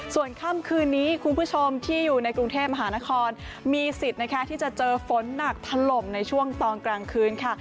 ส่วนค่ำคืนนี้คุณผู้ชมที่อยู่ในกรุงเทพมหานครมีสิทธิ์นะคะที่จะเจอฝนหนักถล่มในช่วงตอนกลางคืนค่ะ